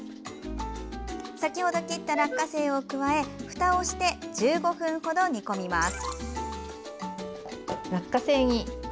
先程切った落花生を加えふたをして１５分程、煮込みます。